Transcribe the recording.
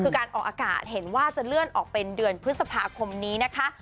คือการออกอากาศเห็นว่าจะเลื่อนออกเป็นเดือนพฤษภาคมนี้นะคะ